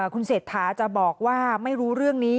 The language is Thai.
คุณเศรษฐานิยาการจะบอกไม่รู้เรื่องนี้